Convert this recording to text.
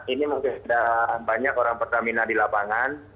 ini mungkin ada banyak orang pertamina di lapangan